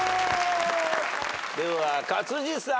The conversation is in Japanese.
では勝地さん。